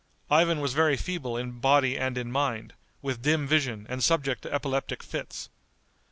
Ivan was very feeble in body and in mind, with dim vision, and subject to epileptic fits.